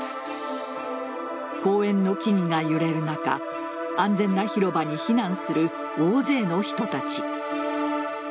公園の木々が揺れる中安全な広場に避難する大勢の人たち。